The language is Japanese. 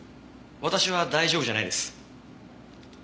私は大丈夫じゃないです。